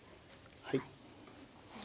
はい。